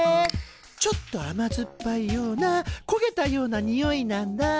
ちょっとあまずっぱいようなこげたようなにおいなんだ。